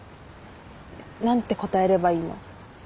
何て答えればいいの？